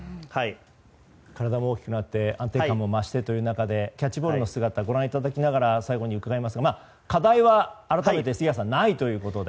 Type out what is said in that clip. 体も大きくなって安定感も増してということでキャッチボールの姿をご覧いただきながら最後に伺いますが課題は、改めて杉谷さんないということで。